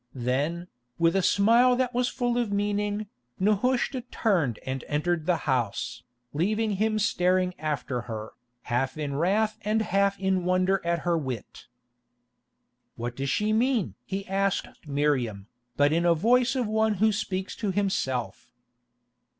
Then, with a smile that was full of meaning, Nehushta turned and entered the house, leaving him staring after her, half in wrath and half in wonder at her wit. "What does she mean?" he asked Miriam, but in the voice of one who speaks to himself.